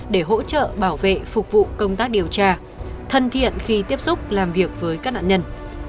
để hỗ trợ bảo vệ phục vụ công tác điều tra thân thiện khi tiếp xúc làm việc với các nạn nhân